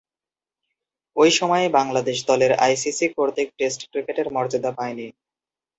ঐ সময়ে বাংলাদেশ দলের আইসিসি কর্তৃক টেস্ট ক্রিকেটের মর্যাদা পায়নি।